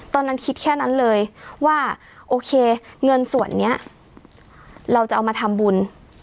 ตอนนั้นคิดแค่นั้นเลยว่าโอเคเงินส่วนนี้เราจะเอามาทำบุญ